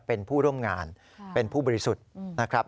เป็นผู้ร่วมงานเป็นผู้บริสุทธิ์นะครับ